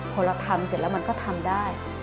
พอเราทำเสร็จแล้วมันก็ทำได้